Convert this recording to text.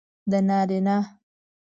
د نارینه